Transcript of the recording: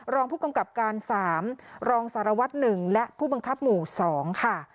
รองผู้กำกับการ๓รองสารวัตร๑และผู้บังคับหมู่๒ค่ะ